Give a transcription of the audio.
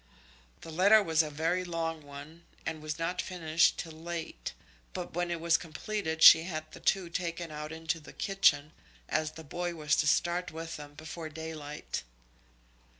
The letter was a very long one, and was not finished till late; but when it was completed she had the two taken out into the kitchen, as the boy was to start with them before daylight.